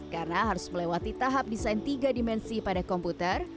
karena harus melewati tahap desain tiga dimensi pada komputer